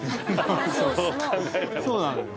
そうなのよ。